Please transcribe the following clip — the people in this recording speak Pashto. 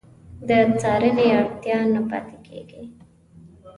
د څارنې اړتیا نه پاتې کېږي.